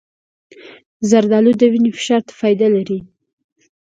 زردالو د وینې فشار ته فایده لري.